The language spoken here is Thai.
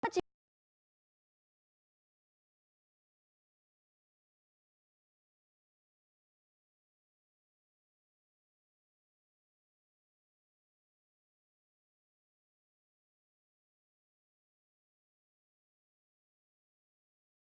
ติดตามทางราวของความน่ารักกันหน่อย